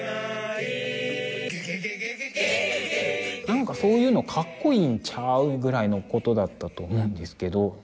なんかそういうのカッコイイんちゃう？ぐらいのことだったと思うんですけど。